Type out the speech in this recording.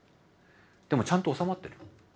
でもちゃんと収まってる。